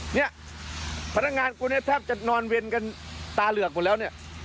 นี่พนักงานกูแทบจะนอนเวนกันตาเหลือกหมดแล้ว